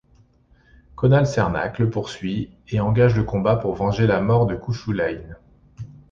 Conall Cernach le poursuit et engage le combat pour venger la mort de Cúchulainn.